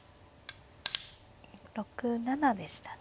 ６七でしたね。